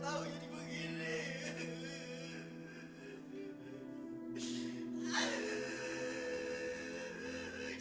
saya udah di talak tiga nih sebelum nikah